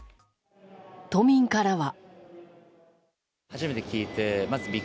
都民からは。